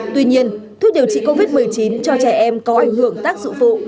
tuy nhiên thuốc điều trị covid một mươi chín cho trẻ em có ảnh hưởng tác dụng phụ